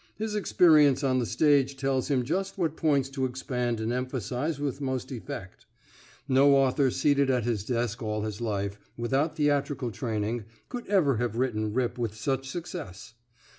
His experience on the stage tells him just what points to expand and emphasise with most effect. No author seated at his desk all his life, without theatrical training, could ever have rewritten Rip with such success.